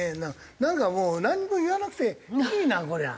なんかもうなんにも言わなくていいなこりゃ。